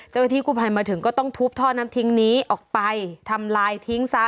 เจ้าหน้าที่กู้ภัยมาถึงก็ต้องทุบท่อนั้นทิ้งนี้ออกไปทำลายทิ้งซะ